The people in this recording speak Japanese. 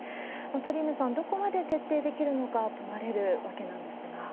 鳥海さん、どこまで徹底できるのか問われるわけなんですが。